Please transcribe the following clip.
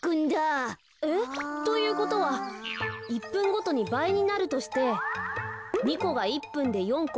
え？ということは１ぷんごとにばいになるとして２こが１ぷんで４こ。